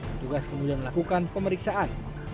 petugas kemudian melakukan pemeriksaan